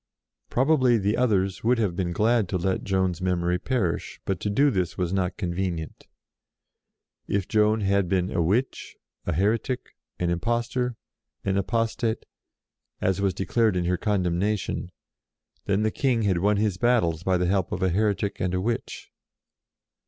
Probably the others would have been glad to let Joan's memory perish, but to do this was not convenient. If Joan had been a witch, a heretic, an impostor, an apostate, as was declared in her condemnation, then the King had won his battles by the help of a heretic and a witch.